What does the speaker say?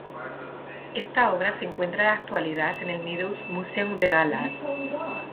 Esta obra se encuentra en la actualidad en el Meadows Museum de Dallas.